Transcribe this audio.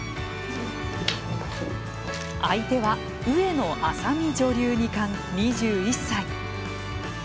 相手は、上野愛咲美女流二冠、２１歳